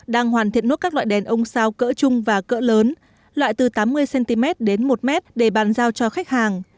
đang hoàn thiện nốt các loại đèn ông sao cỡ chung và cỡ lớn loại từ tám mươi cm đến một m để bàn giao cho khách hàng